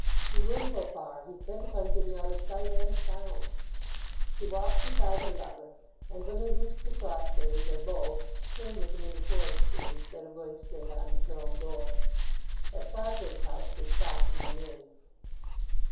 "He will go far—he's bent upon getting out of sight and sound!" She walked beside her lover, and when they reached the Crossways, or Bow, turned with him into Corn Street instead of going straight on to her own door. At Farfrae's house they stopped and went in.